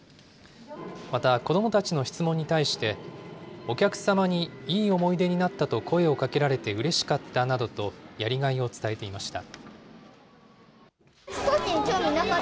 また、子どもたちの質問に対して、お客様にいい思い出になったと声をかけられてうれしかったなどと、やりがいを伝えていました。